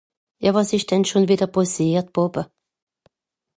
Ja, wàs ìsch denn schùn wìdder pàssiert, Vàter ?